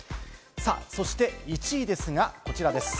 そして１位ですが、こちらです。